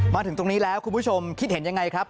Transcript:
มาถึงตรงนี้แล้วคุณผู้ชมคิดเห็นยังไงครับ